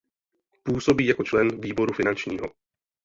Působí jako člen Výboru finančního.